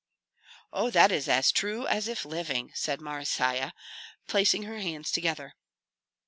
"Oh, that is as true as if living!" said Marysia, placing her hands together.